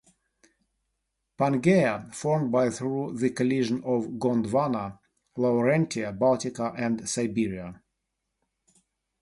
Pangaea formed by through the collision of Gondwana, Laurentia, Baltica, and Siberia.